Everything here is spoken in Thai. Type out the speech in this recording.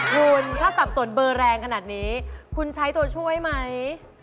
คุณถ้าสับสนเบอร์แรงขนาดนี้คุณใช้ตัวช่วยไหม